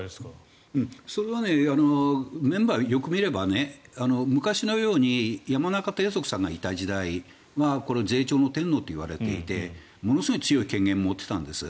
それはメンバーをよく見れば昔のようにヤマナカさんがいた時は税調の天王といわれていてものすごい権限を持っていたんです。